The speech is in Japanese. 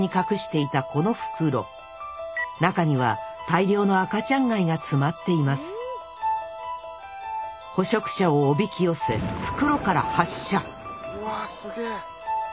中には大量の赤ちゃん貝が詰まっています捕食者をおびき寄せ袋から発射！わすげえ！